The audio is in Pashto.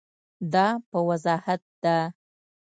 دا په وضاحت ده.